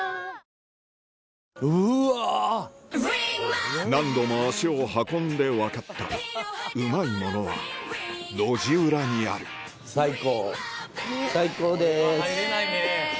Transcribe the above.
そんなの・何度も足を運んで分かったうまいものは路地裏にある最高！